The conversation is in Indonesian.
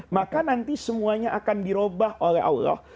maka nanti semuanya akan dirubah oleh allah